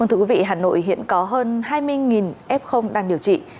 hà nội hiện có hơn hai mươi f đang điều trị